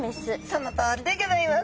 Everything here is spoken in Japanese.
そのとおりでギョざいます。